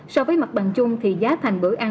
so với mặt bằng chung thì giá thành bữa ăn